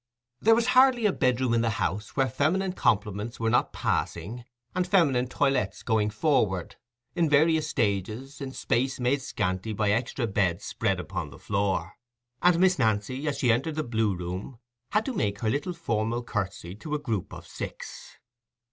There was hardly a bedroom in the house where feminine compliments were not passing and feminine toilettes going forward, in various stages, in space made scanty by extra beds spread upon the floor; and Miss Nancy, as she entered the Blue Room, had to make her little formal curtsy to a group of six.